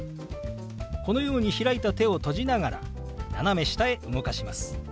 このように開いた手を閉じながら斜め下へ動かします。